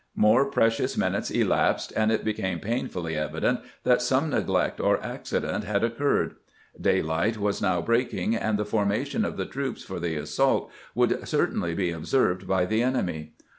More precious minutes elapsed, and it became painfully evident that some neglect or accident had occurred. Daylight was now breaking, and the foiTaation of the troops for the assault would certainly be observed by the enemy.